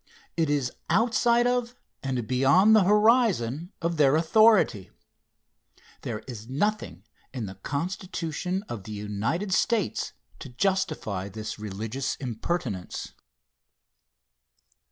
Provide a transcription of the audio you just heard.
It is outside of and beyond the horizon of their authority. There is nothing in the Constitution of the United States to justify this religious impertinence.